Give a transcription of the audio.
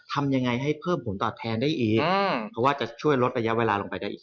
ทำยังไงให้เพิ่มผลตอบแทนได้อีกเพราะว่าจะช่วยลดระยะเวลาลงไปได้อีก